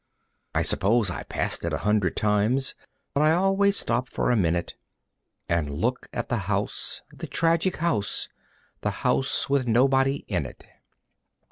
I suppose I've passed it a hundred times, but I always stop for a minute And look at the house, the tragic house, the house with nobody in it.